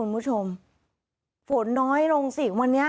ค่ะคือเมื่อวานี้ค่ะ